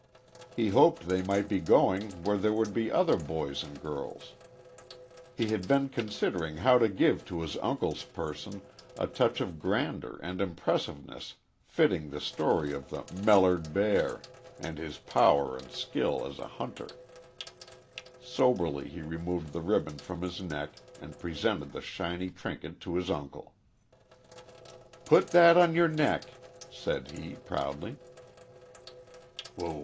He hoped they might be going where there would be other boys and girls. He had been considering how to give to his uncle's person a touch of grandeur and impressiveness fitting the story of the "mellered bear" and his power and skill as a hunter. Soberly he removed the ribbon from his neck and presented the shiny trinket to his uncle. "Put that on yer neck," said he, proudly.